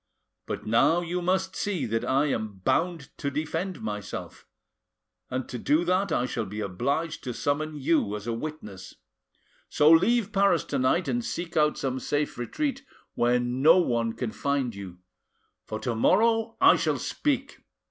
But now you must see that I am bound to defend myself, and to do that I shall be obliged to summon you as a witness. So leave Paris tonight and seek out some safe retreat where no one can find you, for to morrow I shall speak.